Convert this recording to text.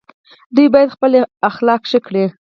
دوی باید خپل اخلاق ښه کړي.